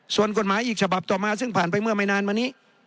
ส่วนกฎหมายอีกฉบับต่อมาซึ่งผ่านไปเมื่อไม่นานมานี้